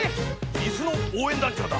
イスのおうえんだんちょうだ！